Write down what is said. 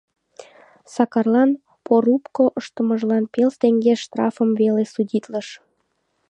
Сакарлан порубко ыштымыжлан пел теҥге штрафым веле судитлыш.